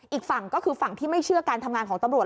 อีกฝั่งก็คือฝั่งที่ไม่เชื่อการทำงานของตำรวจ